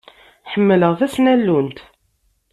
Ḥemmleɣ tasnallunt.